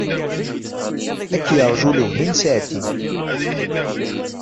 Ad k-yerju lewhi n ssaɛtin.